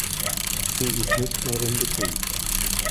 Sie ist nicht mehr in Betrieb.